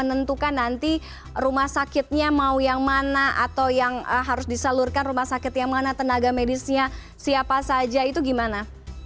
menentukan nanti rumah sakitnya mau yang mana atau yang harus disalurkan rumah sakit yang mana tenaga medisnya siapa saja itu gimana